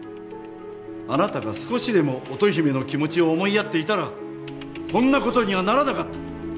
あなたが少しでも乙姫の気持ちを思いやっていたらこんな事にはならなかった。